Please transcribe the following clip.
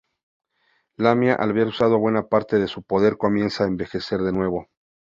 Lamia al haber usado buena parte de su poder, comienza a envejecer de nuevo.